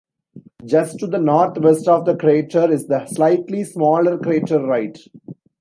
Just to the northwest of the crater is the slightly smaller crater Wright.